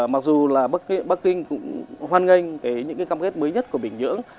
mặc dù là bắc kinh cũng hoan nghênh những cam kết mới nhất của bình nhưỡng